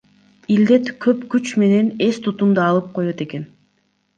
Илдет көп күч менен эстутумду алып коёт экен.